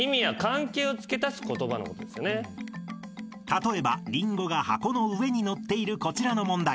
［例えばりんごが箱の上に載っているこちらの問題］